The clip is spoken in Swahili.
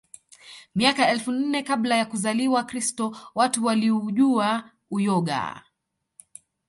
Miaka elfu nne kabla ya kuzaliwa Kristo watu waliujua uyoga